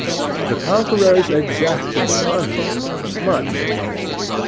The conquerors exacted money, much money.